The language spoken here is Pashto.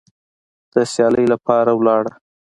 د سیالۍ لپاره لاړه